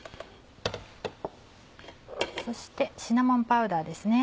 そしてシナモンパウダーですね。